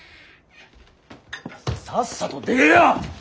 さっさと出えや！